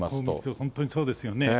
本当にそうですよね。